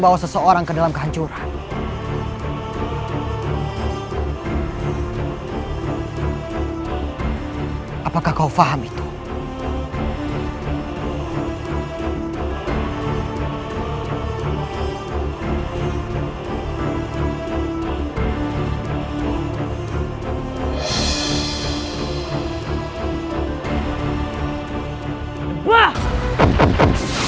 tak bel nem chip